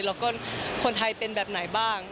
แล้วก็คนไทยเป็นแบบไหนบ้าง